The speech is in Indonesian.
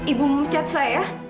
ibu memecat saya